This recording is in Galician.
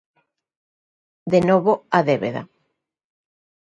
De novo, a débeda.